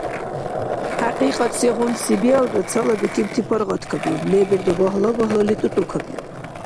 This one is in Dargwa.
ХӀякьикьат сегъунси биалра, цалабикибти паргъаткабиуб, лебилра багьла-багьлали тӀутӀукабиуб.